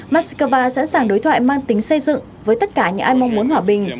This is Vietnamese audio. moscow sẵn sàng đối thoại mang tính xây dựng với tất cả những ai mong muốn hòa bình